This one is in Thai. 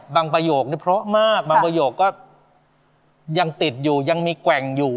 ประโยคนี้เพราะมากบางประโยคก็ยังติดอยู่ยังมีแกว่งอยู่